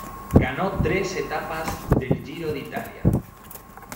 Ganó tres etapas del Giro de Italia.